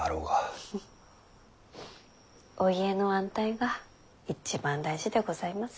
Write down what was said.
フフお家の安泰が一番大事でございます。